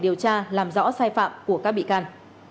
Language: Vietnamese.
điều tra làm rõ sai phạm của các bị can